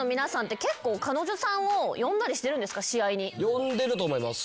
呼んでると思います。